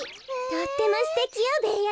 とってもすてきよベーヤ